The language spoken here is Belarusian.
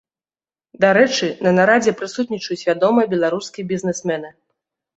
Дарэчы, на нарадзе прысутнічаюць вядомыя беларускія бізнесмены.